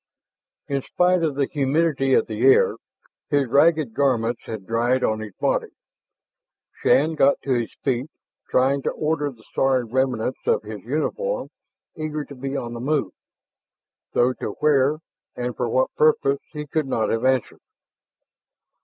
In spite of the humidity of the air, his ragged garments had dried on his body. Shann got to his feet, trying to order the sorry remnants of his uniform, eager to be on the move. Though to where and for what purpose he could not have answered.